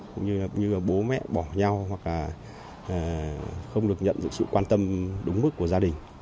cũng như bố mẹ bỏ nhau hoặc là không được nhận sự quan tâm đúng mức của gia đình